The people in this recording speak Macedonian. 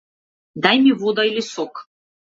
Дај ми вода или сок.